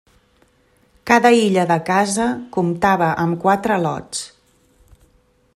Cada illa de casa comptava amb quatre lots.